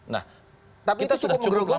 nah kita sudah cukup lama bersabar